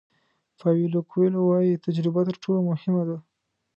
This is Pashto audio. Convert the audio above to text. پاویلو کویلو وایي تجربه تر ټولو مهمه ده.